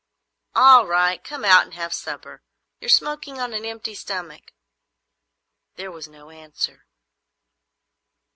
"All right. Come out and have supper. You're smoking on an empty stomach." There was no answer.